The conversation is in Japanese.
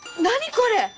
これ！